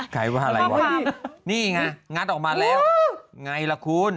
ใครว่าอะไรวะนี่ไงงัดออกมาแล้วไงล่ะคุณ